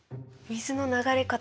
水の流れ方。